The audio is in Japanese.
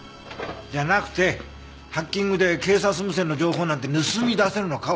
じゃなくてハッキングで警察無線の情報なんて盗み出せるのかを聞いてるの。